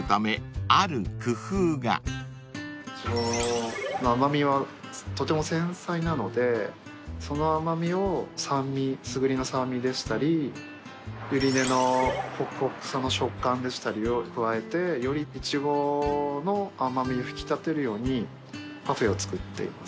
イチゴの甘味はとても繊細なのでその甘味をスグリの酸味でしたりゆり根のほくほくさの食感でしたりを加えてよりイチゴの甘味を引き立てるようにパフェを作っています。